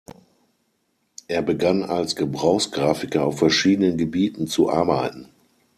Er begann als Gebrauchsgrafiker auf verschiedenen Gebieten zu arbeiten.